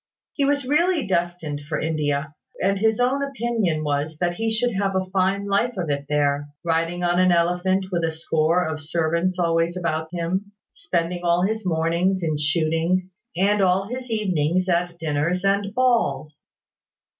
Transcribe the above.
He was really destined for India; and his own opinion was that he should have a fine life of it there, riding on an elephant, with a score of servants always about him, spending all his mornings in shooting, and all his evenings at dinners and balls.